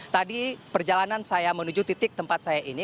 tadi perjalanan saya menuju titik tempat saya ini